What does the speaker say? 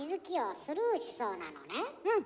うん。